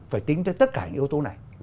phải tính tới tất cả những yếu tố này